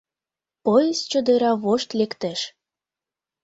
Поезд чодыра вошт лектеш.